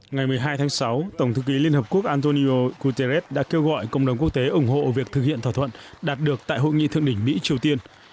ngày một mươi hai tháng sáu tổng thư ký liên hợp quốc antonio guterres đã kêu gọi cộng đồng quốc tế ủng hộ việc thực hiện thỏa thuận đạt được tại hội nghị thượng đỉnh mỹ triều tiên